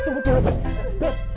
beb tunggu dulu beb